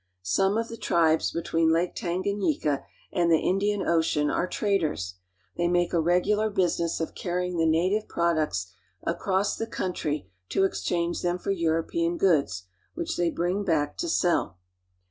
Some of the tribes between Lake Tanganyika and the Indian Ocean are traders. They make a regular business of carry ing the native products across the country to exchange them for European goods, which they bring back to sell.